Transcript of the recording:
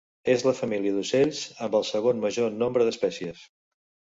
És la família d'ocells amb el segon major nombre d'espècies.